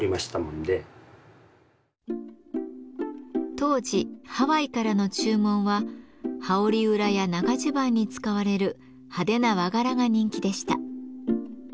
当時ハワイからの注文は羽織裏や長じゅばんに使われる派手な和柄が人気でした。